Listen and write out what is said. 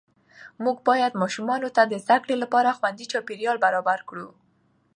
موږ باید ماشومانو ته د زده کړې لپاره خوندي چاپېریال برابر کړو